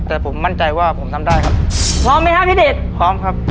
แต่ผมมั่นใจว่าผมทำได้ครับพร้อมไหมครับพี่เดชพร้อมครับ